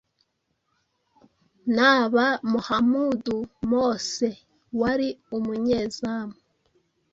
Naba muhamoud mose wari umunyezamu